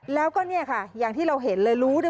แล้วก็เนี่ยค่ะอย่างที่เราเห็นเลยรู้ด้วย